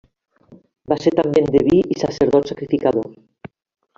Va ser també endeví i sacerdot sacrificador.